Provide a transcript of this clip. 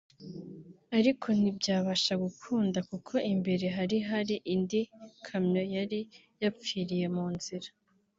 ariko nti byabasha gukunda kuko imbere hari hari indi kamyo yari yapfiriye mu nzira